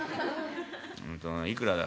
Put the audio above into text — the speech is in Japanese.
いくらだ？